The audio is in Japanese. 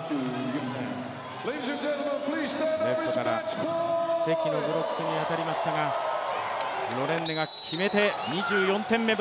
レフトから関のブロックに当たりましたが、ロレンネが決めて１４点目。